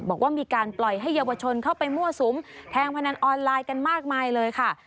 บอกว่ามีการปล่อยให้เยาวชนเข้าไปมั่วสุมแทงพนันออนไลน์กันมากมายเลยค่ะ